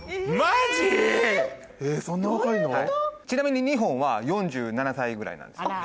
ちなみに日本は４７歳ぐらいなんです。